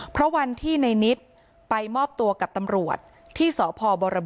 เพราะวันที่ในนิดไปมอบตัวกับตำรวจที่สพบรบ